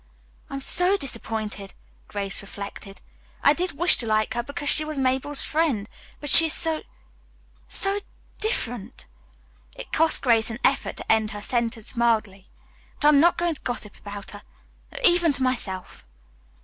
"I am so disappointed," Grace reflected. "I did wish to like her because she was Mabel's friend, but she is so so different." It cost Grace an effort to end her sentence mildly. "But I'm not going to gossip about her, even to myself."